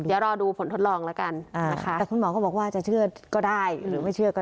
เดี๋ยวรอดูผลทดลองแล้วกันนะคะแต่คุณหมอก็บอกว่าจะเชื่อก็ได้หรือไม่เชื่อก็